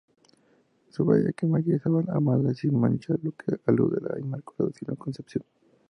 Subraya que María "es amada sin mancha"; lo que alude a la Inmaculada Concepción.